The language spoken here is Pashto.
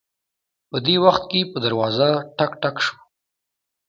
په دې وخت کې په دروازه ټک ټک شو